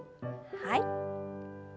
はい。